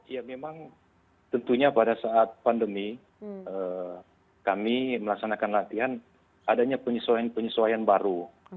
ya memang tentunya pada saat pandemi kami melaksanakan latihan adanya penyesuaian penyesuaian baru